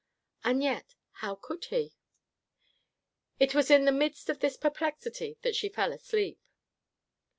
"And yet, how could he?" It was in the midst of this perplexity that she fell asleep.